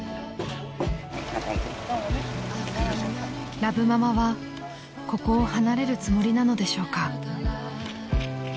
［ラブママはここを離れるつもりなのでしょうか］